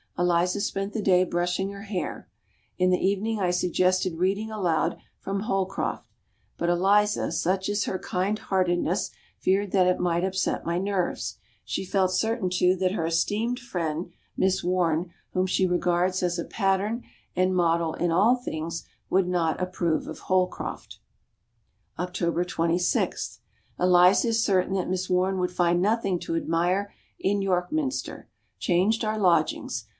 Eliza spent the day brushing her hair. In the evening I suggested reading aloud from Holcroft; but Eliza, such is her kind heartedness, feared that it might upset my nerves. She felt certain too, that her esteemed friend, Miss Warne, whom she regards as a pattern and model in all things, would not approve of Holcroft. October 26. Eliza is certain that Miss Warne would find nothing to admire in York Minster. Changed our lodgings.